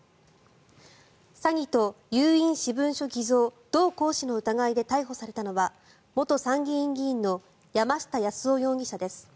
詐欺と有印私文書偽造・同行使の疑いで逮捕されたのは元参議院議員の山下八洲夫容疑者です。